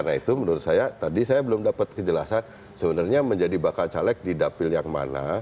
nah itu menurut saya tadi saya belum dapat kejelasan sebenarnya menjadi bakal caleg di dapil yang mana